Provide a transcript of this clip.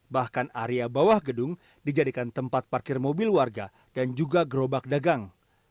bahkan area bawah gedung dijadikan tempat parkir mobil warga dan juga gerobak dagang